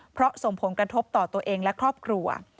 เพราะส่งผลกระทบต่อตัวเองและครอบครัว